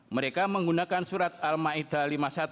mereka menggunakan surat al ma'idah lima puluh satu